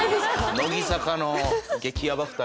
乃木坂の激ヤバ２人。